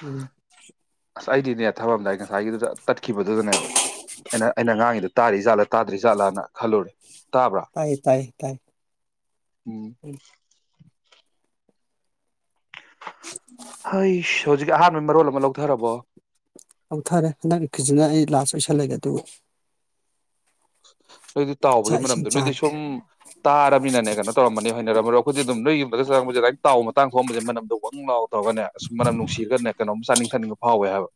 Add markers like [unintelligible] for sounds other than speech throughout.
ꯎꯝ ꯑꯁ ꯑꯩꯗꯤꯅꯦ ꯊꯕꯝꯗꯥꯏ ꯉꯁꯥꯏꯒꯤꯗꯨꯗ ꯇꯠꯈꯤꯕꯗꯨꯗꯅꯦꯕ ꯑꯩꯅ ꯑꯩꯅ ꯉꯥꯡꯉꯤ ꯉꯥꯛꯉꯤꯗꫭ ꯇꯔꯤ ꯖꯥꯠꯂ ꯇꯥꯗ꯭ꯔꯤꯖꯥꯠꯂꯥꯅ ꯈꯜꯂꯨꯔꯦ ꯇꯥꯕ꯭ꯔꯥ ꯇꯥꯏꯌꯦ ꯇꯥꯏꯌꯦ ꯇꯥꯏ ꯎꯝ ꯍꯣꯏ ꯍꯧꯖꯤꯛ ꯑꯍꯥꯟꯕꯩ ꯃꯔꯣꯜ ꯑꯃ ꯂꯧꯊꯔꯕꯣ ꯄꯩꯁꯥ ꯂꯩꯒ ꯗꯨꯒꯥ [inaudible] ꯅꯣꯏꯗꯤ ꯇꯥꯎꯕꯒꯤ ꯃꯅꯝꯗꯣ ꯅꯣꯏꯗꯤ ꯆꯥꯔꯒꯦ ꯁꯨꯝ ꯇꯥꯔꯃꯤꯅꯅꯦ ꯀꯩꯅꯣ ꯇꯧꯔꯝꯃꯅꯤ ꯍꯥꯏꯅꯔꯝꯃꯔꯣ ꯑꯩꯈꯣꯏꯗꯤ ꯑꯗꯨꯝ ꯅꯣꯏ ꯌꯨꯝꯗ ꯆꯪꯛꯁꯦ ꯑꯗꯨ ꯇꯥꯎ ꯃꯇꯥꯡ ꯊꫭꯛꯑꯝꯕꯥꯁꯦ ꯃꯥꯅꯝ ꯋꯥꯡ ꯂꯥꯎ ꯇꯧꯒꯅꯦ ꯑꯁꯨꯝ ꯃꯅꯝ ꯅꯨꯡꯁꯤꯔꯒꯅꯦ ꯀꯩꯅꯣꯝ ꯆꯥꯅꯤꯡ ꯊꯥꯅꯤꯡꯕ ꯐꯥꯎꯋꯦ ꯍꯥꯏꯕ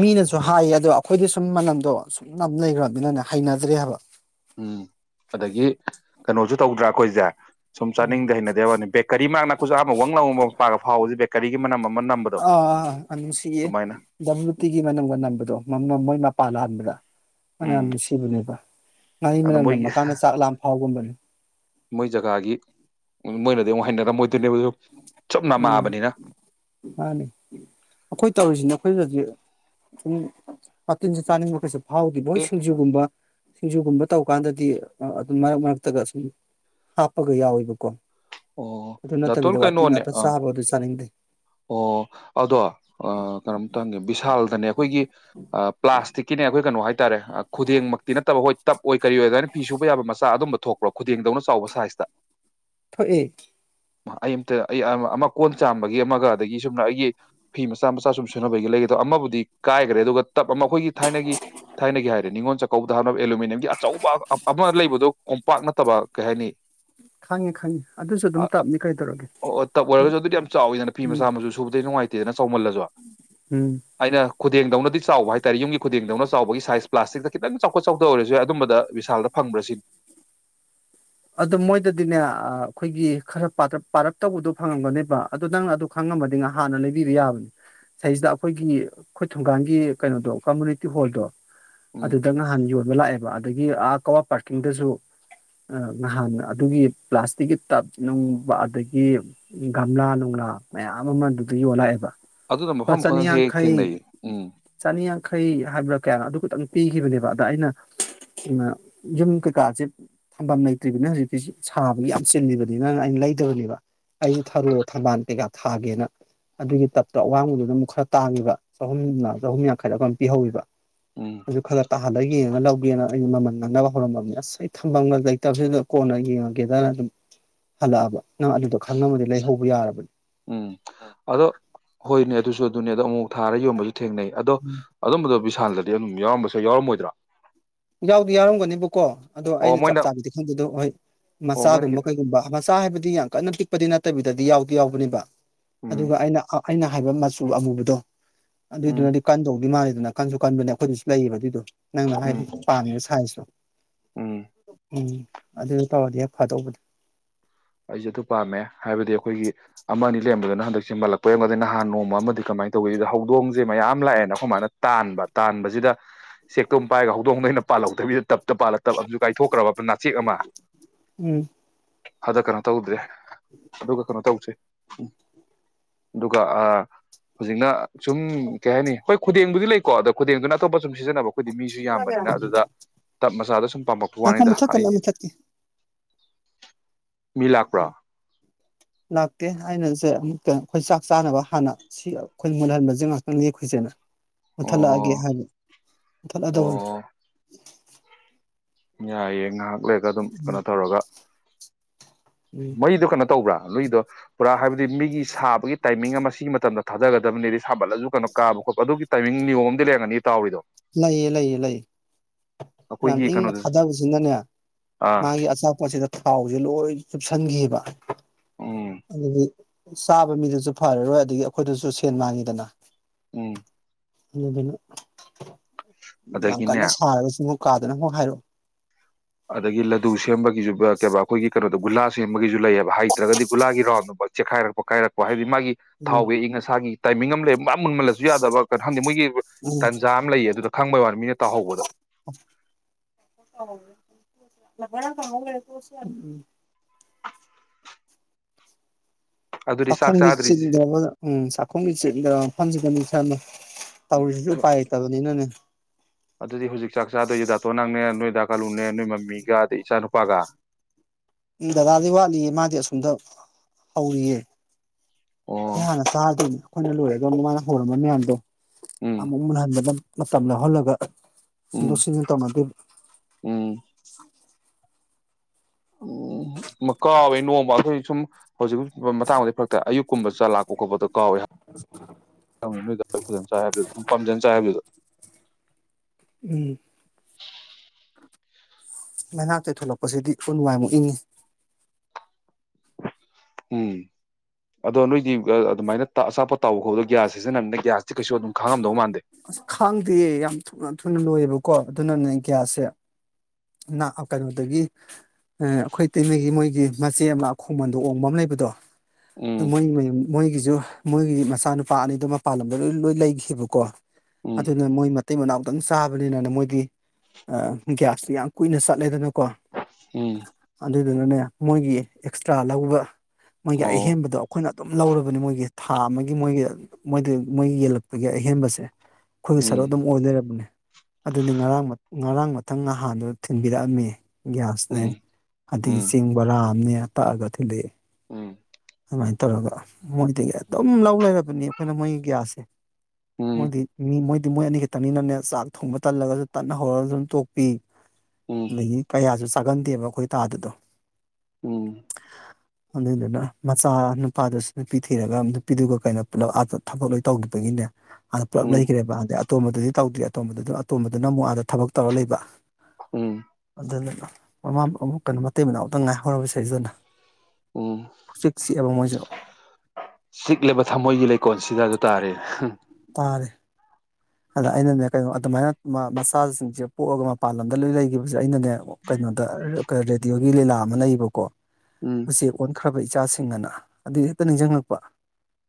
ꯃꯤꯅꯁꯨ ꯍꯥꯏꯌꯦ ꯑꯗꯣ ꯑꯩꯈꯣꯏꯗ ꯁꯨꯝ ꯃꯅꯝꯗꯣ ꯁꯨꯝꯅ ꯂꯩꯈ꯭ꯔꯕꯅꯤꯅꯅꯦ ꯍꯩꯅꯗ꯭ꯔꯦ ꯍꯥꯏꯕ ꯎꯝ ꯑꯗꯒꯤ ꯀꯩꯅꯣꯁꯨ ꯇꯧꯗ꯭ꯔꯥ ꯑꯩꯈꯣꯏꯁꯦ ꯁꯨꯝ ꯎꯝ ꯆꯥꯅꯤꯡꯗꯦ ꯍꯩꯅꯗꯦꯕꯅꯤ ꯕꯦꯀꯔꯤ ꯃꯥꯛꯅꯛꯄꯁꯨ ꯑꯍꯥꯟꯕ ꯆꯥꯡꯂꯧ [unintelligible] ꯐꯥꯎꯕꯁꯦ ꯕꯦꯀꯔꯤꯒꯤ ꯃꯅꯝ ꯑꯃ ꯅꯝꯕꯗꯣ ꯑꯥ ꯑꯥ ꯅꯨꯡꯁꯤꯌꯦ ꯑꯗꯨꯃꯥꯏꯅ ꯗꯕ꯭ꯂꯨ ꯇꯤꯒꯤ ꯃꯅꯝꯒ ꯃꯥꯅꯝ ꯎꯝ ꯅꯨꯡꯁꯤꯕꯨꯅꯦꯕ ꯉꯥꯔꯤ ꯑꯗꯣ ꯃꯅꯝ ꯃꯣꯏꯒꯤ ꯅꯃꯀꯥꯟꯗ ꯆꯥꯛ ꯂꯥꯝ ꯐꯥꯎꯒꯨꯝꯕꯅꯤ [inaudible] ꯃꯣꯏ ꯖꯒꯥꯒꯤ ꯃꯣꯏꯅ ꯑꯃꯨꯛ ꯍꯩꯅꯔꯝꯃꯣꯏꯗꯣꯏꯅꯦꯕ ꯁꯨꯝ ꯎꯝ ꯅꯃꯥꯕꯅꯤꯅ ꯃꯥꯅꯦ ꯑꯈꫭꯏ ꯇꯧꯔꯤꯁꯤꯅ ꯑꯩꯈꯣꯏꯗꯗꯤ ꯁꯨꯝ ꯋꯥꯇꯤꯟꯁꯦ ꯆꯥꯅꯤꯡꯕ ꯀꯩꯁꯨ ꯐꯥꯎꯒꯤ ꯕꯣꯏ ꯑꯦ ꯁꯤꯡꯖꯨꯒꯨꯝꯕ ꯁꯤꯡꯖꯨꯒꯨꯝꯕ ꯇꯧꯀꯥꯟꯗꯗꯤ ꯑꯗꯨꯝ ꯃꯔꯛ ꯃꯔꯛꯇꯒ ꯁꯨꯝ ꯍꯥꯞꯄꯒ ꯌꯥꯎꯋꯦꯕꯀꯣ ꯑꯣ ꯗꯥꯇꯣꯜ ꯀꯩꯅꯣꯅꯦ [unintelligible] ꯑꯥ ꯆꯥꯕꯗꫭ ꯆꯥꯅꯤꯡꯗꯦ ꯑꯣ ꯑꯗꯣ ꯀꯩꯅꯣꯝꯇ ꯌꯪꯒꯦ ꯕꯤꯁꯥꯜꯗꯅꯦ ꯑꯩꯈꯣꯏꯒꯤ ꯄ꯭ꯂꯥꯁꯇꯤꯛꯀꯤꯅꯦ ꯑꯩꯈꯣꯏ ꯀꯩꯅꯣ ꯍꯥꯏ ꯍꯥꯏ ꯇꯔꯦ ꯈꯨꯗꯦꯡꯃꯛꯇꯤ ꯅꯠꯇꯕ ꯍꯣꯏ ꯇꯞ ꯑꯣꯏ ꯀꯔꯤ ꯑꯣꯏ ꯑꯗꯨꯅ ꯐꯤ ꯁꯨꯕ ꯌꯥꯕ ꯃꯆꯥ ꯑꯗꯨꯝꯕ ꯊꯣꯛꯄ꯭ꯔꯣ ꯈꯨꯗꯦꯡꯗꯧꯅ ꯆꯥꯎꯕ ꯁꯥꯏꯖꯇ ꯊꯣꯛꯑꯦ ꯑꯩ ꯑꯝꯇ ꯑꯩ ꯑꯃ ꯀꯣꯟ ꯆꯥꯝꯕꯒꯤ ꯑꯃ ꯑꯗꯒꯤ ꯁꯨꯝꯅ ꯑꯩꯒꯤ ꯐꯤ ꯃꯆꯥ ꯃꯆꯥ ꯁꯨꯝ ꯁꯨꯅꯕꯒꯤꯒ ꯂꯩꯒꯦ ꯑꯗꯣ ꯑꯃꯕꯨꯗꯤ ꯀꯥꯏꯈ꯭ꯔꯦ ꯑꯗꯨꯒ ꯇꯞ ꯑꯃ ꯑꯩꯈꯣꯏꯒꯤ ꯊꯥꯏꯅꯒꯤ ꯊꯥꯏꯅꯒꯤ ꯍꯥꯏꯔꯦ ꯅꯤꯉꯣꯜ ꯆꯥꯛꯀꯧꯕꯗ ꯍꯥꯞꯅꯕ ꯑꯦꯂꯨꯃꯤꯅꯤꯌꯝꯒꯤ ꯑꯆꯧꯕ ꯑꯃ ꯂꯩꯕꯥꯗꫭ ꯀꫭꯝ ꯄꯥꯛ ꯅꯠꯇꯕ ꯀꯩ ꯍꯥꯏꯅꯤ ꯈꯪꯉꯤ ꯈꯪꯉꯦ ꯑꯗꯨꯁꯨ ꯑꯗꯨꯝ ꯇꯞꯅꯤ ꯀꯩ ꯇꯧꯔꯒꯦ ꯑꯣ ꯑꯣ ꯇꯞ ꯑꯣꯏꯔꯒꯁꯨ ꯑꯗꯨꯗꯤ ꯌꯥꯝ ꯆꯥꯎꯋꯤꯗꯅ ꯃꯆꯥ ꯃꯁꯨꯨ ꯁꯨꯗ ꯅꯨꯡꯉꯥꯏꯇꯦ ꯆꯥꯎꯧꯃꯜꯂꯁꯨ ꯎꯝ ꯑꯩꯅ ꯈꯨꯗꯦꯡꯗꯧꯅꯗꯤ ꯆꯥꯎꯕ ꯍꯥꯏꯇꯥꯥꯔꯦ ꯌꯨꯝꯒꯤ ꯈꯨꯗꯦꯡꯗꯧꯅ ꯆꯥꯎꯕꯒꯤ ꯁꯥꯏꯖ ꯄ꯭ꯂꯥꯁꯇꯤꯛꯇ ꯈꯤꯇꯪ ꯆꯥꯎꯈꯠ ꯆꯥꯎꯊ ꯑꯣꯏꯔꯁꯨ ꯌꯥ ꯑꯗꯨꯝꯕꯗ ꯕꯤꯚꯤꯁꯥꯜꯗ ꯐꯪꯕ꯭ꯔꯥ ꯁꯤꯅꯤ ꯑꯗꯨꯗ ꯃꯣꯏꯗꯗꯤꯅꯦ ꯑꯩꯈꯣꯏꯒꯤ ꯈꯔ ꯄ ꯄꯥꯔꯞ ꯇꯧꯕꯗꯣ ꯐꯪꯉꯝꯒꯅꯦꯕ ꯑꯗꯣ ꯅꯪꯅ ꯑꯗꯨ ꯈꯪꯉꯝꯃꯅꯤ ꯍꯥꯟꯅ ꯂꯩꯕꯤꯕ ꯌꯥꯕꯅꯦ ꯁꯤꯁꯤꯗ ꯑꯩꯈꯣꯏꯒꯤ ꯑꯩꯈꯣꯏ ꯊꯣꯡꯒꯥꯟꯒꯤ ꯀꯩꯅꯣꯗꯣ ꯀꯝꯃꯨꯅꯤꯇꯤ ꯍꯣꯜꯗꯣ ꯎꯝ ꯑꯗꯨꯗ ꯅꯍꯥꯟ ꯌꯣꯟꯕ ꯂꯥꯛꯑꯦ ꯑꯗꯒꯤ ꯑ ꯀꯋꯥ ꯄꯥꯔꯀꯤꯡꯗꯁꯨ ꯅꯍꯥꯟ ꯑꯗꯨꯒꯤ ꯄ꯭ꯂꯥꯁꯇꯤꯛꯀꯤ ꯇꯞ ꯅꯨꯡꯕ ꯑꯗꯒꯤ ꯒꯝꯂꯥ ꯅꯨꯡꯂꯥ ꯃꯌꯥꯝ ꯑꯃ ꯑꯗꯨꯗ ꯌꯣꯜꯂꯛꯑꯦꯕ ꯑꯗꯨꯅ ꯂꯨꯄꯥ ꯃꯐꯝ ꯈꯡ ꯍꯦꯛ ꯊꯦꯡꯅꯩ ꯎꯝ ꯈꯧ ꯍꯥꯏꯕ꯭ꯔꯥ ꯀꯌꯥꯅꯣ ꯑꯗꯨ ꯈꯇꯪ ꯄꯤꯈꯤꯕꯅꯦꯕ ꯑꯗ ꯑꯩꯅ ꯌꯨꯝ ꯀꯩꯀꯥꯁꯦ ꯊꯝꯐꯝꯝ ꯂꯩꯇ꯭ꯔꯤꯕꯅꯤꯅ ꯍꯧꯖꯤꯛꯇꯤ ꯁꯥꯕꯒꯤ ꯌꯥꯝ ꯆꯤꯜꯂꯤꯕꯅꯤ ꯅꯪꯅ ꯑꯩꯅ ꯂꯩꯗꯕꯅꯦꯕ ꯑꯩꯁꯨ ꯊꯔ ꯊꯝꯕꯥꯜ ꯀꯩꯀꯥ ꯊꯥꯒꯦꯅ ꯑꯗꯨꯒꯤ ꯇꯞꯇꯣ ꯑꯋꯥꯡꯕꯗꯨꯅ ꯑꯃꯨꯛ ꯈꯔ ꯇꯥꯡꯉꯤꯕ ꯆꯍꯨꯝ ꯆꯍꯨꯝ ꯌꯥꯡꯈꯩꯔ ꯑꯃꯝ ꯄꯤꯍꯧꯕ ꯎꯝ ꯑꯗꯨ ꯈꯂ ꯇꯥꯍꯜꯂ ꯌꯦꯡꯉꯒ ꯂꯧꯒꯦꯅ ꯑꯩꯅ ꯃꯃꯜ ꯉꯥꯡꯅꯕ ꯍꯧꯔꯝꯃꯕꯅꯤ ꯑꯁ ꯑꯩ ꯊꯐꯝꯅ ꯂꯩꯇꯕꯁꯤꯗ ꯀꯣꯟꯅ ꯌꯦꯡꯉꯒꯦꯗꯅ ꯑꯗꯨꯝ ꯍꯜꯂꯛꯑꯕ ꯅꯪ ꯑꯗꯨꯗꯣ ꯈꯪꯉꯃꯗꯤ ꯂꯩꯍꯧꯕ ꯌꯥꯔꯕꯅꯤ ꯎꯝ ꯑꯗꯣ ꯍꯣꯏꯅꯦ ꯑꯗꯨꯁꯨ ꯑꯗꯨꯅꯦ ꯑꯗꯣ ꯑꯃꯨꯛ ꯊꯥꯔ ꯌꯣꯟꯕꯁꯤ ꯊꯦꯡꯅꯩ ꯑꯗꯣ ꯎꯝ ꯑꯗꯨꯝꯕꯗ ꯊꯥꯟꯗꯗꯤ ꯑꯗꯨꯝ ꯌꯥꯎꯔꯝꯕꯁꯨ ꯌꯥꯎꯔꯝꯃꯣꯏꯗ꯭ꯔꯥ ꯌꯥꯎꯗꯤ ꯌꯥꯎꯔꯝꯒꯅꯤꯕꯨꯀꯣ ꯑꯗꯣ ꯑꯩꯅ ꯆꯞ ꯃꯣꯏꯅ ꯆꯥꯕꯤꯗꯤ ꯈꯪꯗꯦꯗꯣ ꯍꯣꯏ ꯑꯣ ꯃꯣꯏꯅ ꯃꯆꯥꯒꯨꯝꯕ ꯀꯩꯒꯨꯝꯕ ꯃꯆꯥ ꯍꯥꯏꯕꯗꯤ ꯗꯤ ꯌꯥꯝ ꯀꯟꯅ ꯄꯤꯛꯄꯗꯤ ꯅꯠꯇꯕꯤꯗꯗꯤ ꯌꯥꯎꯗꯤ ꯌꯥꯎꯕꯅꯦꯕ ꯎꯝ ꯑꯗꯨꯒ ꯑꯩꯅ ꯑꯩꯅ ꯍꯥꯏꯕ ꯃꯆꯨ ꯑꯃꯨꯕꯗꯣ ꯎꯝ ꯑꯗꯨꯏꯗꯨꯅꯗꯤ ꯀꯟꯗꯧꯗꯤ ꯃꯥꯜꯂꯤꯁꯦ ꯑꯗꯨ ꯅꯥ ꯀꯟꯁꯨ ꯀꯟꯕꯅꯦ ꯑꯩꯈꯣꯏꯗꯨꯁꯨ ꯂꯩꯌꯦꯕ ꯑꯗꯨꯏꯗꯣ ꯅꯪ ꯍꯥꯏ ꯎꯝ ꯄꯥꯝ ꯁꯥꯏꯁꯨ ꯎꯝ ꯎꯝ ꯑꯗꯨꯗ ꯇꯧꯔꯗꯤ ꯍꯦꯛ ꯐꯥꯗꯧꯕꯗ ꯑꯩꯁꯦ ꯑꯗꯨ ꯄꯥꯝꯃꯦ ꯍꯥꯏꯕꯗꯤ ꯑꯩꯈꯣꯏꯒꯤ ꯑꯃꯅꯤ ꯁꯦꯝꯕꯗꯨꯅ ꯍꯟꯗꯛ ꯁꯦꯝꯃꯠꯂꯛꯄꯔꯒꯗ ꯅꯍꯥꯟ ꯅꯣꯡꯃ ꯑꯃꯗꯤ ꯀꯃꯥꯏꯅ ꯇꯧꯒꯦꯗ ꯍꯧꯗꯣꯡꯁꯦ ꯃꯌꯥꯝ ꯂꯥꯛꯑꯦꯅ ꯁꯃꯥꯏꯅ ꯇꯥꯟꯕ ꯇꯥꯟꯕꯁꯤꯗ ꯆꯦꯛꯇꯨꯝꯝ ꯄꯥꯏꯒ ꯍꯧꯗꯣꯡꯗꯣ ꯑꯩꯅ ꯄꯥꯜꯍꯧꯗꯕꯤꯗ ꯇꯞꯇ ꯄꯥꯜꯂ ꯑꯞ ꯀꯥꯏꯊꯣꯛꯈ꯭ꯔꯕ ꯅꯥꯆꯦꯛ ꯑꯃ ꯎꯝ ꯑꯗ ꯀꯩꯅꯣ ꯇꯧꯗ꯭ꯔꯦ ꯑꯗꯨꯒ ꯀꯩꯅꯣ ꯇꯧꯁꯦ ꯎ ꯑꯗꯨꯒ ꯍꯧꯖꯤꯛꯅ ꯁꯨꯝ ꯀꯩ ꯍꯥꯏꯅꯤ ꯍꯣꯏ ꯈꯨꯗꯦꯡꯕꯨꯗꯤ ꯂꯩꯀꯣ ꯑꯗꯣ ꯈꯨꯗꯦꯡꯗꯨꯅ ꯑꯇꯣꯞꯄ ꯁꯨꯝ ꯁꯤꯖꯤꯟꯅꯕ ꯑꯩꯈꯣꯏꯗꯤ ꯃꯤꯁꯨ ꯌꯥꯝꯕꯅꯤꯅ ꯑꯗꯨꯗ ꯇꯞ ꯃꯆꯥꯗ ꯁꯨꯝ ꯄꯥꯝꯃꯛꯄ ꯉꯥꯏꯈꯣ ꯋꯥꯅꯤꯗ ꯑꯩ ꯃꯨꯊꯠꯀꯅꯣ ꯃꯨꯊꯠꯀꯦ ꯃꯤ ꯂꯥꯛꯄ꯭ꯔꯥ ꯂꯥꯛꯇꯦ ꯑꯩꯅꯥꯁꯦ ꯑꯃꯨꯛ ꯛ ꯑꯩꯈꯣꯏ ꯆꯥꯛ ꯆꯥꯅꯕ ꯍꯥꯟꯅ ꯁꯤꯌ ꯑꯩꯈꯣꯏ ꯃꯨꯜꯍꯟꯕꯁꯦ ꯉꯥꯛꯇꯥꯡ ꯂꯞꯀꯨꯏꯁꯦꯅ ꯃꯨꯟꯊꯠꯂꯛꯑꯒꯦ ꯑꯣ ꯍꯥꯏꯕ ꯃꯨꯊꯠꯂꯛꯑꯗꯧꯕꯅꯤ ꯌꯥꯏ ꯌꯦ ꯉꯍꯥꯀ ꯀꯨꯌꯦꯛꯥ ꯑꯗꯨꯝ ꯀꯩꯅꯣ ꯇꯧꯔꯒ ꯎꯝ ꯃꯩꯗꯣ ꯀꯩꯅꯣ ꯇꯧꯕ꯭ꯔꯥ ꯂꯏꯗꯣ ꯄꯨꯔꯥ ꯍꯥꯏꯕ ꯇꯦꯗꯨꯗꯤ ꯃꯤꯒꯤ ꯁꯥꯕꯒꯤ ꯇꯥꯏꯃꯤꯡ ꯑꯃ ꯁꯤꯒꯤ ꯃꯇꯝꯗ ꯊꯥꯒꯗꯕꯅꯦꯗꯤ ꯁꯥꯕꯠꯂꯁꯨ ꯀꯩꯅꯣ ꯀꯥꯕ ꯈꯣꯠꯄ ꯑꯗꯨꯒꯤ ꯇꯥꯏꯃꯤꯡ ꯅꯤꯌꯣꯝ ꯑꯃꯗꯤ ꯂꯩꯔꯝꯒꯅꯤ ꯇꯥꯎꯔꯤꯗꯣ ꯂꯩꯌꯦ ꯂꯩꯌꯦ ꯂꯩ ꯌꯥꯝ ꯑꯩꯈꯣꯏꯒꯤ ꯏꯡꯅ ꯀꯩꯅꯣꯗꯁꯨ ꯊꯥꯗꯕꯁꯤꯅꯅꯦ ꯑꯥ ꯃꯥꯒꯤ ꯑꯆꯥꯄꯣꯠꯁꯤꯗ ꯇꯥꯑꯣꯁꯤ ꯂꯣꯏ ꯆꯨꯞꯁꯟꯒꯤꯕ ꯎꯝ ꯑꯗꯨꯗꯤ ꯆꯥꯕ ꯃꯤꯗꯨꯁꯨ ꯐꯔꯔꯣꯏ ꯑꯗꯒꯤ ꯑꯩꯈꯣꯏꯗꯁꯨ ꯁꯦꯟ ꯃꯥꯡꯉꯤꯗꯅ ꯎꯝ ꯑꯗꯨꯗꯅ ꯑꯗꯒꯤꯅꯦ ꯍꯥꯏꯔꯁꯤ ꯕꯧ ꯀꯥꯗꯅ ꯍꯣ ꯍꯥꯏꯔꯦ ꯑꯗꯒꯤ ꯂꯗꯨ ꯁꯦꯝꯕꯒꯤꯁꯨ ꯕꯥ ꯀꯩꯕꯥꯥ ꯑꯩꯈꯣꯏꯒꯤ ꯀꯩꯅꯣ ꯁ ꯒꯨꯂꯥ ꯁꯦꯝꯒꯤꯁꯨ ꯂꯩꯌꯦꯕ ꯍꯩꯇ꯭ꯔꯒꯗꯤꯒꯂꯥꯒꯤꯥ ꯇꯧꯟꯒꯨꯝꯕ ꯆꯦꯈꯏꯔꯀꯄꯥ ꯀꯥꯏꯔꯛꯄ ꯍꯥꯏꯕꯗꯤ ꯃꯥꯒꯤ ꯎꯝ ꯊꯥꯑꯣꯒꯤꯛꯏꯡ ꯑꯁꯥꯒꯤ ꯇꯥꯏꯃꯤꯡ ꯑꯃ ꯂꯩꯔꯃ ꯄꯥꯛ ꯃꯨꯟꯃꯜꯂꯁꯨ ꯌꯥꯗꯕ ꯀꯠ ꯍꯝꯗꯦ ꯃꯣꯏꯒꯤ ꯕꯔꯥ ꯇꯥꯟꯖꯥ ꯑꯃ ꯂꯩꯌꯦ ꯑꯗꯨꯗ ꯈꯪꯕꯩ ꯋꯥꯅꯤ ꯃꯤꯅ ꯇꯥꯍꯧꯕꯗ [unintelligible] ꯑꯗꯨꯗꯤ ꯆꯥꯛ ꯄꯥꯈꯣꯡ ꯗ ꯆꯤꯡ ꯆꯥꯗ꯭ꯔꯤꯁꯦ ꯗꯔ꯭ꯕꯅꯥ ꯎꯃ ꯁꯛ ꯈꯣꯡꯒꯤ ꯆꯤꯟ ꯒꯥꯔꯥ ꯐꯡꯖꯤꯗꯥ ꯑꯃꯨꯛ ꯆꯥꯡꯎ ꯑꯗꯨꯗꯤ ꯍꯧꯖꯤꯛ ꯆꯥꯛ ꯆꯥꯗꯣꯏꯁꯦ ꯗꯥꯇꯣꯟ ꯅꯝꯅꯦ ꯅꯣꯏꯗꯥ ꯀꯥꯂꯨꯅꯦ ꯅꯣꯏ ꯃꯃꯤꯒ ꯑꯗꯩ ꯏꯆꯥꯅꯨꯄꯥꯒ ꯗꯗꯥꯗꯤ ꯋꯥꯠꯂꯤꯌꯦ ꯃꯥꯗꯤ ꯑꯁꯣꯝꯗ ꯍꯧꯔꯤꯌꯦ ꯈꯣꯡ ꯑꯣ ꯍꯥꯅꯥ ꯆꯥꯗꯣꯏꯅꯦ ꯃꯅꯥ ꯂꯣꯏꯔꯒꯥ ꯃꯅꯥ ꯍꯥꯎꯔꯝꯕ ꯃꯌꯥꯃꯗꯤ ꯎꯝ ꯑꯃꯨꯛ ꯂꯥꯟ ꯕꯗꯥꯟ ꯃꯥꯇꯝ ꯃꯪꯍꯟ ꯂꯒ ꯁꯤꯟꯗꯣꯛ ꯎꯝ ꯁꯤꯅꯤꯟ ꯇꯧꯅꯗꯣꯏꯕ ꯎꯝ [unintelligible] [unintelligible] ꯁꯨꯝ ꯍꯧꯖꯤꯛ ꯃꯇꯥꯡꯗꯗꯤ ꯐꯔꯛꯇ ꯑꯌꯨꯛꯀꯨꯝꯕ ꯆ ꯂꯥꯛꯄ ꯈꯣꯠꯄꯗ ꯀꯥꯎꯏꯦ ꯐꯖꯅ ꯆꯥꯏ ꯍꯥꯏꯕꯗꯨ ꯑꯗꯨꯨꯝ ꯄꯥꯝꯖꯟ ꯆꯥꯏ ꯍꯥꯏꯕꯗꯨꯗ ꯎꯝ ꯃꯥꯏꯅꯥ ꯇꯩꯊꯂꯛꯄꯁꯤꯗꯤ ꯑꯩꯈꯣꯏ ꯅꯨꯡꯉꯥꯏꯃꯨꯛ ꯏꯪꯉꯤ ꯎꯝ ꯑꯗꯣ ꯅꯣꯏꯗꯤ ꯑꯗꯨꯃꯥꯏꯅ ꯑꯆꯥꯄꯠ ꯇꯥꯎꯕ ꯈꯥꯎꯗ ꯒ꯭ꯌꯥꯁ ꯁꯤꯖꯤꯟꯅꯅꯤꯅ ꯒ꯭ꯌꯥꯁꯇꯤ ꯀꯩꯁꯨ ꯑꯗꯨꯝ ꯈꯥꯡꯉꯝꯗꯧ ꯃꯥꯟꯗꯦ ꯑꯁ ꯈꯥꯡꯗꯦ ꯌꯥꯝ ꯊꯨꯅ ꯊꯨꯅ ꯂꯣꯏꯌꯦꯕꯀꯣ ꯑꯗꯨꯅꯅꯦ ꯒ꯭ꯌꯥꯁꯁꯦ ꯀꯩꯅꯣꯗꯒꯤ ꯑꯩꯈꯣꯏ ꯇꯩꯃꯒꯤ ꯃꯣꯏꯒꯤ ꯃꯆꯦ ꯑꯃꯈꯣꯡꯃꯟꯗꯣ ꯑꯣꯡꯕ ꯑꯃ ꯂꯩꯕꯗꯣ ꯑꯗꯨ ꯎꯝ ꯃ ꯃ ꯃꯣꯏꯒꯤꯁꯨ ꯃꯣꯏꯒꯤ ꯃꯆꯥꯅꯨꯄꯥ ꯑꯅꯤꯗꯣ ꯃꯄꯥꯟ ꯂꯝꯗ ꯂꯣꯏ ꯂꯣꯏ ꯂꯩꯕꯀꯣ ꯎꯝ ꯑꯗꯨ ꯃꯣꯏ ꯃꯇꯩ ꯃꯅꯥꯎꯇꯪ ꯆꯥꯕꯅꯤꯅ ꯃꯣꯏꯒꯤ ꯒ꯭ꯌꯥꯁꯇꯤ ꯌꯥꯝ ꯀꯨꯏꯅꯆꯠꯂꯦꯗꯅ ꯀꯣ ꯎꯝ ꯑꯗꯨ ꯑꯗꯨꯅꯅꯦ ꯃꯣꯏꯒꯤ ꯑꯦꯛꯁꯇ꯭ꯔꯥ ꯂꯧꯕ ꯃꯣꯏꯒꯤ ꯑꯣ ꯑꯍꯦꯟꯕꯗꯣ ꯑꯩꯈꯣꯏꯅ ꯑꯗꯨꯝ ꯂꯧꯔꯕꯅꯤ ꯃꯣꯏꯒꯤ ꯊꯥ ꯑꯃꯒꯤ ꯃꯣꯏꯒꯤ ꯃꯣꯏꯗ ꯃꯣꯏꯒꯤ ꯌꯦꯜꯂꯛꯄꯒꯤ ꯑꯍꯦꯟꯕꯁꯦ ꯑꯩꯈꯣꯏꯒꯤ ꯁꯔꯨ ꯎꯝ ꯑꯗꯨꯝ ꯑꯣꯏꯅꯔꯕꯅꯦ ꯑꯗꯨꯗꯤ ꯉꯔꯥꯡ ꯉꯔꯥꯡ ꯃꯊꯪ ꯅꯍꯥꯟꯗ ꯊꯤꯟꯕꯤꯔꯛꯑꯝꯃꯤ ꯎꯝ [unintelligible] ꯑꯗꯒꯤ ꯎꯝ ꯆꯦꯡ ꯕꯔꯥ ꯑꯃꯅꯦ ꯇꯛꯑꯒ ꯊꯤꯜꯂꯛꯏ ꯎꯝ ꯑꯗꯨꯃꯥꯏꯅ ꯇꯧꯔꯒ ꯃꯣꯏꯗꯒꯤ ꯑꯗꯨꯝ ꯂꯧ ꯂꯩꯔꯕꯅꯤ ꯑꯩꯈꯣꯏꯅ ꯃꯣꯏꯒꯤ ꯒ꯭ꯌꯥꯁꯁꯦ ꯎꯝ ꯃꯣꯏꯗꯤ ꯃꯤ ꯃꯣꯏꯗꯤ ꯃꯣꯏ ꯑꯅꯤ ꯈꯛꯇꯅꯤꯅꯅꯦ ꯆꯥꯛ ꯊꯣꯡꯕ ꯇꯜꯂꯒꯁꯨ ꯇꯠꯅ ꯍꯧꯔꯒ ꯑꯗꯨꯝ ꯇꯣꯛꯄꯤ ꯎꯝ ꯑꯗꯒꯤ ꯀꯌꯥꯁꯨ ꯆꯥꯒꯟꯗꯦꯕ ꯑꯩꯈꯣꯏ ꯇꯥꯗꯨꯗꯣ ꯎꯝ ꯑꯗꯨꯏꯗꯨꯅ ꯃꯆꯥ ꯅꯨꯄꯥꯗꯨꯁꯨ ꯅꯨꯄꯤ ꯊꯤꯔꯒ ꯅꯨꯄꯤꯗꯨꯒ ꯀꯩꯅꯣ ꯄꯨꯂꯞ ꯑ ꯊꯕꯛ ꯂꯣꯏ ꯇꯧꯈꯤꯕꯒꯤꯅꯦ ꯑꯗ ꯄꯨꯂꯞ ꯎꯝ ꯂꯩꯈ꯭ꯔꯦꯕ ꯑꯇꯣꯝꯕꯗꯗꯤ ꯇꯧꯗ꯭ꯔꯤ ꯑꯇꯣꯝꯕꯗ ꯑꯇꯣꯝꯕꯗꯨꯅ ꯑꯃꯨꯛ ꯑꯥꯗ ꯊꯕꯛ ꯇꯧꯔ ꯂꯩꯕ ꯎꯝ ꯑꯗꯨꯗꯨꯅ ꯃꯃꯥ ꯑꯃꯨꯛ ꯀꯩꯅꯣ ꯃꯇꯩ ꯃꯅꯥꯎ ꯑꯃꯛꯇꯪ ꯉꯥꯏꯍꯧꯔꯕꯁꯗꯅ ꯎꯝ ꯄꯨꯆꯤꯛꯁꯤ ꯆꯤꯛꯑꯦꯕ ꯃꯑꯣꯏꯁꯨ ꯆꯤꯛꯂꯤꯕ ꯊꯃꯣꯏꯒꯤ ꯂꯩꯀꯣꯜꯁꯤꯗ ꯑꯗꯨ ꯇꯥꯔꯦ ꯇꯥꯔꯦ ꯑꯗ ꯑꯩꯅꯅꯦ ꯀꯩꯅꯣ ꯑꯗꯨꯃꯥꯏꯅ ꯃꯆꯥꯁꯤꯡꯁꯦ ꯄꯣꯛꯑꯒ ꯃꯄꯥꯟ ꯂꯝꯗ ꯂꯣꯏ ꯂꯩꯈꯤꯕꯁꯦ ꯑꯩꯅꯅꯦ ꯀꯩꯅꯣꯗ ꯔꯦꯗꯤꯑꯣꯒꯤ ꯂꯤꯂꯥ ꯑꯃ ꯂꯩꯌꯦꯕꯀꯣ ꯎꯝ ꯎꯆꯦ ꯑꯣꯟ ꯈꯔ ꯏꯆꯥꯁꯤꯡ ꯑꯅ ꯑꯗꯨ ꯍꯦꯛꯇ ꯅꯤꯡꯁꯤꯡꯉꯛꯄ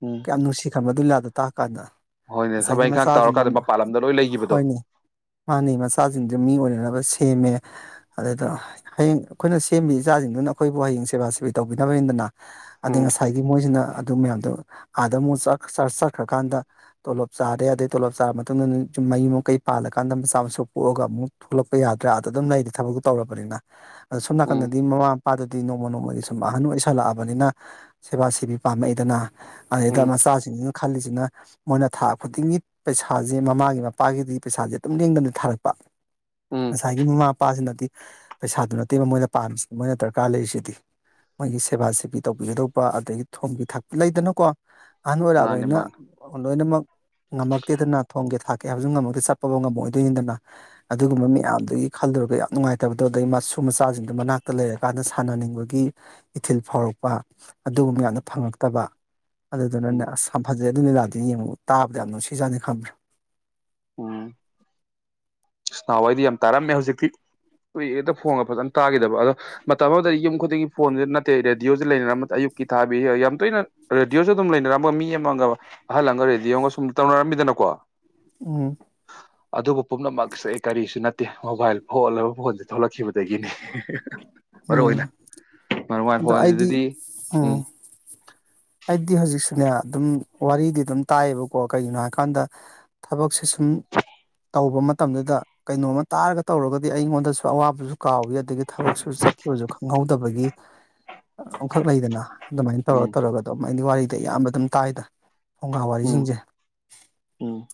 ꯎꯝ ꯀꯌꯥꯝ ꯅꯨꯡꯁꯤ ꯈꯕ ꯑꯗꯨꯂꯥꯗꯣ ꯇꯥꯛꯑ ꯀꯥꯟꯗ ꯍꯣꯏꯅꯦ ꯁꯕꯥꯥꯏ ꯈꯥꯛ ꯇ [unintelligible] ꯍꯣꯏꯅꯦ ꯃꯥꯅꯤ ꯃꯆꯥ ꯁꯤꯡꯗꯨ ꯃꯤ ꯑꯣꯏꯅꯅꯕ ꯁꯦꯝꯃꯦ ꯑꯗꯨꯗ ꯍꯌꯦꯡ ꯑꯩꯈꯣꯏꯅ ꯁꯦꯝꯃꯤ ꯏꯆꯥꯁꯤꯡꯗꯨꯅ ꯑꯩꯈꯣꯏꯕꯨ ꯍꯌꯦꯡ ꯁꯦꯕꯥ ꯁꯦꯕꯤ ꯇꯧꯕꯤꯅꯕꯅꯤꯗꯅ ꯑꯗꯩ ꯎꯝ ꯉꯁꯥꯏꯒꯤ ꯃꯣꯏꯁꯤꯅ ꯑꯗꯨ ꯃꯌꯥꯝꯗꯣ ꯑꯥꯗ ꯑꯃꯨꯛ ꯆꯠꯈ꯭ꯔꯀꯥꯟꯗ ꯇꯣꯂꯣꯞ ꯆꯥꯔꯦ ꯑꯗꯩ ꯇꯣꯂꯣꯞ ꯆꯥꯔꯕ ꯃꯇꯨꯡꯗ ꯌꯨꯝ ꯃꯌꯨꯝ ꯃꯀꯩ ꯄꯥꯜꯂꯀꯥꯟꯗ ꯃꯆꯥ ꯃꯁꯨ ꯄꯣꯛꯑꯒ ꯑꯃꯨꯛ ꯊꯣꯛꯂꯛꯄ ꯌꯥꯗ꯭ꯔꯥ ꯑꯗ ꯑꯗꯨꯝ ꯂꯩꯔꯤ ꯊꯕꯛꯇꯨ ꯇꯧꯔꯕꯅꯤꯅ ꯑꯗꯣ ꯎꯝ ꯁꯣꯝꯅꯥꯀꯟꯗꯗꯤ ꯃꯃꯥ ꯃꯄꯥꯗꯗꯤ ꯅꯣꯡꯃ ꯅꯣꯡꯃꯒꯤ ꯁꯨꯝ ꯑꯍꯟ ꯑꯣꯏ ꯑꯣꯏꯁꯜꯂꯛꯑꯕꯅꯤꯅ ꯁꯦꯕꯥ ꯁꯤꯕꯤ ꯄꯥꯝꯃꯛꯏꯗꯅ ꯑꯗꯨꯗꯩꯗ ꯎꯝ ꯃꯆꯥꯁꯤꯡꯁꯤꯅ ꯈꯜꯂꯤꯁꯤꯅ ꯃꯣꯏꯅ ꯊꯥ ꯈꯨꯗꯤꯡꯒꯤ ꯄꯩꯁꯥꯁꯦ ꯃꯃꯥꯒꯤ ꯃꯄꯥꯒꯤꯗꯤ ꯄꯩꯁꯥꯁꯦ ꯇꯝ ꯂꯦꯡꯗꯅ ꯊꯥꯔꯛꯄ ꯎꯝ ꯉꯁꯥꯏꯒꯤ ꯃꯃꯥ ꯃꯄꯥꯁꯤꯅꯗꯤ ꯄꯩꯁꯥꯗꯨ ꯅꯠꯇꯦꯕ ꯃꯣꯏꯅ ꯄꯥꯝꯃꯤꯁꯤ ꯃꯣꯏꯅ ꯗꯔꯀꯥꯔ ꯂꯩꯔꯤꯁꯤꯗꯤ ꯃꯣꯏꯒꯤ ꯁꯦꯕꯥ ꯁꯦꯕꯤ ꯇꯧꯕꯤꯒꯗꯧꯕ ꯑꯗꯒꯤ ꯊꯨꯝꯒꯤ ꯊꯥꯛꯄ ꯂꯩꯗꯅꯀꯣ ꯑꯍꯥꯟꯕ ꯑꯣꯏꯔꯛꯑꯕ ꯃꯥꯅꯦ ꯑꯩꯅ ꯃꯥꯅꯦ ꯂꯣꯏꯅꯃꯛ ꯉꯝꯃꯛꯇꯦꯗꯅ ꯊꯣꯡꯒꯦ ꯊꯥꯛꯀꯦ ꯍꯥꯏꯕꯁꯨ ꯉꯝꯃꯛꯇꯦ ꯆꯠꯄꯥꯎ ꯉꯝꯃꯑꯣꯏꯗꯣꯏꯅꯤꯗꯅ ꯑꯗꯨꯒꯨꯝꯕ ꯃꯌꯥꯝꯗꯨꯒꯤ ꯈꯜꯂꯨꯔꯒ ꯌꯥꯝ ꯅꯨꯡꯉꯥꯏꯇꯕꯗꯣ ꯑꯗꯨꯗꯩ ꯃꯁꯨ ꯃꯆꯥꯁꯤꯡꯗꯨꯣ ꯃꯅꯥꯛꯇ ꯂꯩꯔꯀꯥꯟꯗ ꯁꯥꯟꯅꯅꯤꯡꯕꯒꯤ ꯏꯊꯤꯜ ꯐꯥꯎꯔꯛꯄ ꯑꯗꯨꯒꯨꯝꯕ ꯃꯌꯥꯝꯗꯨꯣ ꯐꯪꯉꯛꯇꯕ ꯑꯗꯨ ꯑꯗꯨ ꯅꯪꯖ ꯎꯝ [unintelligible] ꯦ ꯑꯗꯨꯗꯤ ꯌꯦꯡꯉꯣ ꯇꯥ ꯌꯥꯝꯅꯣ ꯁꯤꯖꯥꯅꯤ ꯈꯝꯕ꯭ꯔꯥ ꯏꯅꯥꯎꯋꯥꯏꯗꯤ ꯌꯥꯝ ꯇꯥꯔꯝꯃꯦ ꯍꯧꯖꯤꯛꯇꯤ ꯀꯨꯏ ꯍꯦꯛꯇ ꯐꯣꯟꯒ ꯐꯖꯅ ꯇꯥꯈꯤꯗꯕ ꯑꯗꯣ ꯃꯇꯝ ꯑꯃꯗꯗꯤ ꯌꯨꯝ ꯈꯨꯗꯤꯡꯒꯤ ꯐꯣꯟꯁꯤ ꯅꯠꯇꯦ ꯔꯦꯗꯤꯑꯣꯁꯦ ꯂꯩꯅꯔꯝ ꯑꯌꯨꯛꯀꯤ ꯊꯥꯕꯤꯁ ꯌꯥꯝ ꯇꯣꯏꯅ ꯔꯦꯗꯤꯑꯣꯁꯨ ꯑꯗꯨꯝ ꯂꯩꯅꯔꯝꯒ ꯃꯤ ꯑꯃꯒ ꯑꯍꯜ ꯑꯃꯒ ꯔꯦꯗꯤꯑꯣꯒ ꯁꯨꯝ ꯇꯧꯅꯔꯝꯃꯤꯗꯅꯀꯣ ꯎꯝ ꯑꯗꯨꯕꯨ ꯄꯨꯝꯅꯃꯛ ꯀꯔꯤꯁꯨ ꯅꯠꯇꯦ ꯃꯣꯕꯥꯏꯜ ꯐꯣꯜꯂꯕ ꯐꯣꯟꯁꯦ ꯊꯣꯛꯂꯛꯈꯤꯕ ꯑꯗꯒꯤꯅꯤ ꯃꯔꯨ ꯑꯣꯏꯅ ꯎꯝ ꯃꯔ ꯃ ꯑꯗꯣ ꯑꯩꯗꯤ ꯐꯣꯟꯁꯤꯗꯗꯤ ꯎꯝ ꯍꯥꯏꯗꯤ ꯍꯧꯖꯤꯛꯁꯨꯅꯦ ꯑꯗꯨꯝ ꯋꯥꯔꯤꯗꯤ ꯑꯗꯨꯝ ꯇꯥꯏꯌꯦꯕꯀꯣ ꯀꯩꯒꯤꯅꯣ ꯍꯥꯏꯀꯥꯟꯗ ꯊꯕꯛꯁꯦ ꯁꯨꯝ ꯇꯧꯕ ꯃꯇꯝꯗꯨꯗ ꯀꯩꯅꯣꯝꯃ ꯇꯥꯔꯒ ꯇꯧꯔꯒꯗꯤ ꯑꯩꯉꯣꯟꯗꯁꯨ ꯑꯋꯥꯕꯁꯨ ꯀꯥꯎꯋ ꯑꯗꯒꯤ ꯊꯕꯛꯁꯨ ꯆꯠꯈꯤꯕꯁꯨ ꯈꯪꯍꯧꯗꯕꯒꯤ ꯑꯃꯈꯛ ꯂꯩꯗꯅ ꯑꯗꯨꯃꯥꯏꯅ ꯇꯔꯣ ꯎꯝ ꯇꯔꯒꯣ ꯃꯥꯏꯒꯤ ꯋꯥꯔꯤꯗꯤ ꯑꯌꯥꯝꯕ ꯑꯗꯨꯝ ꯀꯥꯏꯗꯅ ꯐꯨꯡꯒꯥ ꯎꯝ ꯋꯥꯔꯤꯁꯤꯡꯁꯦ ꯎꯝ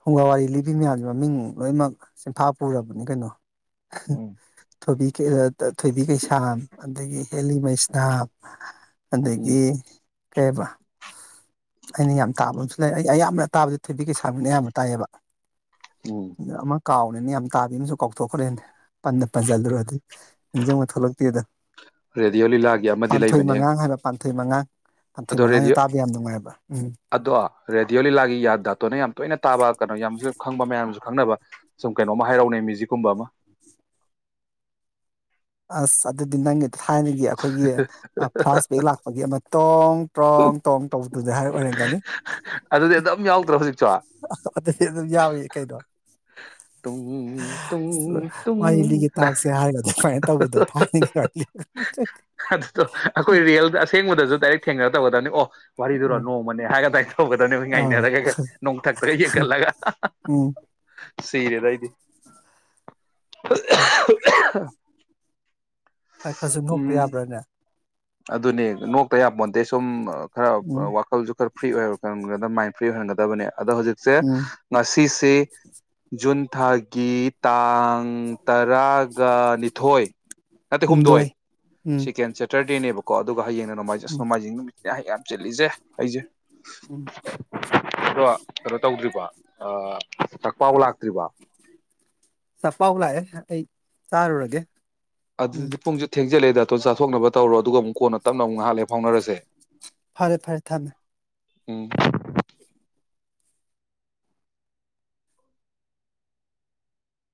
ꯐꯨꯡꯒꯥ ꯋꯥꯔꯤ ꯂꯤꯕꯤ ꯃꯌꯥꯝꯁꯦ ꯃꯃꯤꯡ ꯂꯣꯏꯅꯃꯛ ꯆꯦꯟꯐꯥ ꯄꯨꯔꯕꯅꯤ ꯀꯩꯅꯣ ꯎꯝ ꯊꯕꯤ ꯀ ꯊꯣꯏꯕꯤ ꯀꯩꯁꯥꯡ ꯑꯗꯒꯤ ꯍꯦꯂꯤꯕꯩꯁꯇꯥꯞ ꯎꯝ ꯑꯗꯒꯤ ꯀꯩꯔꯤꯕ꯭ꯔꯥ ꯑꯩꯅ ꯌꯥꯝ ꯇꯥꯕ ꯑꯃꯁꯨ ꯂꯩ ꯑꯩ ꯑꯌꯥꯝꯕꯅ ꯇꯥꯕꯗꯤ ꯊꯣꯏꯕꯤ ꯀꯩ ꯁꯥꯥꯕꯅ ꯑꯌꯥꯝꯕ ꯇꯥꯏꯌꯦꯕ ꯎꯝ [unintelligible] ꯀꯥꯎꯅꯤꯅ ꯌꯥꯝ ꯇꯥꯕꯤ ꯑꯃꯁꯨ ꯀꯥꯎꯊꯣꯛꯈ꯭ꯔꯦꯅꯦ ꯄꯟꯅ ꯄꯟꯁꯤꯜꯂꯨꯔ ꯑꯗꯨꯗꯤ ꯅꯤꯡꯁꯤꯡꯕ ꯊꯣꯛꯂꯛꯇꯦꯗ ꯔꯦꯗꯤꯑꯣ ꯂꯤꯂꯥꯒꯤ ꯑꯃꯗꯤ ꯄꯥꯟꯊꯣꯏ ꯂꯩꯕꯅꯦ ꯃꯉꯥ ꯍꯥꯏꯕꯣ ꯄꯥꯟꯊꯣꯏ ꯃꯉꯥ ꯑꯗꯣ ꯔꯦꯗꯤꯑꯣ ꯑꯗꯣ ꯔꯦꯗꯤꯑꯣ ꯂꯤꯂꯥꯒꯤ ꯌꯥꯗꯥꯇꯣꯅ ꯌꯥꯝ ꯇꯣꯏꯅ ꯇꯥꯕ ꯀꯩꯅꯣ ꯌꯥꯝꯁꯨ ꯈꯪꯕ ꯃꯌꯥꯝꯁꯨ ꯈꯪꯅꯕ ꯁꯨꯝ ꯀꯩꯅꯣꯃ ꯍꯥꯏꯔꯥꯎꯅꯩ ꯃ꯭ꯌꯨꯖꯤꯛꯀꯨꯝꯕ ꯑꯃ ꯑꯁ ꯁꯗꯗꯤꯤꯟꯗꯪꯦ ꯊꯥꯏꯅꯒꯤ ꯑꯩꯈꯣꯏꯒꯤ ꯐ꯭ꯂꯥꯁ ꯕꯦꯛ ꯂꯥꯛꯄꯒꯤ ꯑꯃ ꯇꯣꯡ ꯇ꯭ꯔꯣꯡ ꯇꯣꯡ ꯇꯧ ꯑꯗꯨꯗ ꯍꯥꯏꯔ ꯑꯣꯏꯔꯝꯒꯅꯤ ꯑꯗꯨꯗꯤ ꯑꯗꯨꯝ ꯌꯥꯎꯗ꯭ꯔꯣ ꯍꯧꯖꯤꯛꯁꯨ ꯑꯗꯨ ꯑꯗꯨꯝ ꯌꯥꯎꯏ ꯀꯩꯗꯣ ꯇꯨꯡ ꯇꯨꯡ ꯇꯨꯡ ꯃꯥꯒꯤ ꯇꯥꯁꯦꯔꯒ ꯑꯗꯨꯗꯣ ꯑꯩꯈꯣꯏ ꯔꯤꯌꯦꯜ ꯑꯁꯦꯡꯕꯗꯁꯨ ꯗꯥꯏꯔꯦꯛ ꯊꯦꯡꯒ ꯕꯥꯅꯤ ꯑꯣꯐ ꯋꯥꯔꯤꯔꯗꯣꯏꯔ ꯎꯝ ꯅꯣ ꯃꯅꯦ ꯍꯥꯏꯦꯒꯗꯥꯏ ꯍꯧꯒꯗꯅꯦꯣꯏ ꯑꯥ ꯉꯥꯏꯅꯔꯒ ꯅꯣꯡꯊꯛꯇꯒ ꯌꯦꯡꯒꯠꯂꯒ ꯎꯝ ꯁꯤꯔꯦꯗ ꯏꯗꯤ [unintelligible] ꯈꯔ ꯈꯔꯁꯨ ꯅꯣꯛꯇ ꯌꯥꯕ꯭ꯔꯥꯅꯦ ꯑꯗꯨꯅꯦ ꯅꯣꯛꯇ ꯌꯥꯄ ꯑꯗꯩ ꯁꯨꯝ ꯈꯔ ꯎꯝ ꯋꯥꯈꯜꯁꯨ ꯈꯔ ꯐ꯭ꯔꯤ ꯑꯣꯏꯌꯦꯕ ꯈꯟ ꯀꯗ ꯃꯥꯏꯟ ꯐ꯭ꯔꯤ ꯑꯣꯏꯍꯟꯒꯗꯕꯅꯦ ꯑꯗꯣ ꯍꯧꯖꯤꯛꯁꯦ ꯎꯝ ꯉꯁꯤꯁꯤ ꯖꯨꯟ ꯊꯥꯒꯤ ꯇꯥꯡ ꯇꯔꯥꯒ ꯅꯤꯊꯣꯏ ꯅꯠꯇꯦ ꯍꯨꯝꯗꯣꯏ ꯎꯝ ꯁꯦꯀꯦꯟ ꯁꯦꯇꯔꯗꯦ ꯇꯦꯅꯦꯕꯀꯣ ꯑꯗꯨꯒ ꯍꯌꯦꯡ ꯎꯝ ꯅꯣꯡꯃꯥꯏꯖꯁꯣꯡꯃꯖꯤꯡ ꯅꯨꯠꯅꯦ ꯍ ꯆꯠꯂꯤꯁꯦ ꯑꯩꯁꯦ ꯎꯝ ꯑꯣ ꯀꯩꯅꯣ ꯇꯧꯗ꯭ꯔꯤꯕ ꯀꯛꯄꯥꯎ ꯂꯥꯛꯇ꯭ꯔꯤꯕ ꯆꯐꯥꯎ ꯂꯥꯛꯑꯦ ꯑꯩ ꯆꯥꯔꯨꯔꯒꯦ ꯎꯝ ꯑꯗꯨꯗꯤ ꯄꯨꯡꯁꯨ ꯊꯦꯡꯖꯜꯂꯦꯗ ꯇꯣ ꯆꯊꯣꯛꯅꯕ ꯇꯧꯔꯣ ꯑꯗꯨꯒ ꯑꯃꯨꯛ ꯀꯣꯟꯅ ꯇꯞꯅꯕꯨ ꯉꯥꯏꯍꯜꯂꯦ ꯐꯥꯎꯅꯔꯁꯦ ꯐꯔꯦ ꯐꯔꯦ ꯊꯝꯃꯦ ꯎꯝ